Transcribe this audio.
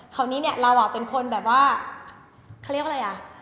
คราวนี้เนี่ยเราเป็นคนแบบว่าเขาเรียกว่าอะไรอ่ะ